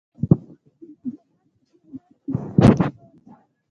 د ننګرهار په شیرزاد کې د سمنټو مواد شته.